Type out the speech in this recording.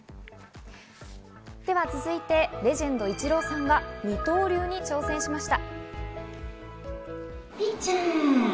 では続いてレジェンド、イチローさんが二刀流に挑戦しました。